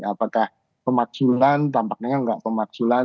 apakah pemaksulan tampaknya gak pemaksulan